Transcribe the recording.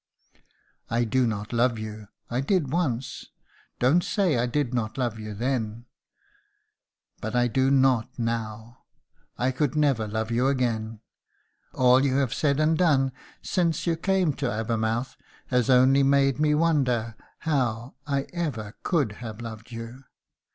"I do not love you. I did once. Don't say I did not love you then; but I do not now. I could never love you again. All you have said and done since you came to Abermouth has only made me wonder how I ever could have loved you.